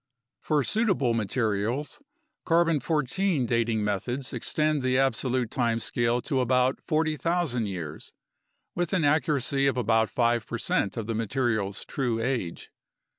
For suitable materials, 14 C dating methods extend the absolute time scale to about 40,000 years, with an accuracy of about 5 percent of the material's true age.